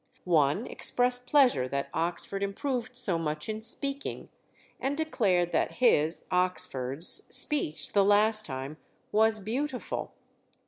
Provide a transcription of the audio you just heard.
One expressed pleasure that Oxford improved so much in speaking, and declared that his (Oxford's) speech the last time "was beautiful."